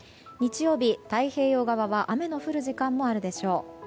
太平洋側は雨の降る時間もあるでしょう。